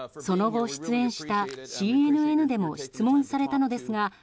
その後、出演したＣＮＮでも質問されたのですが